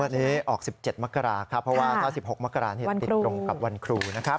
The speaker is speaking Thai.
วันนี้ออก๑๗มกราครับเพราะว่าถ้า๑๖มกราติดตรงกับวันครูนะครับ